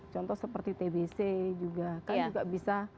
contoh seperti tbc juga kan juga bisa